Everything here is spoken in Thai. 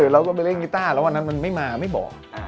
เราก็ไปเล่นกีต้าแล้ววันนั้นมันไม่มาไม่บอก